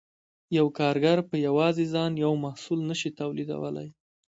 یو کارګر په یوازې ځان یو محصول نشي تولیدولی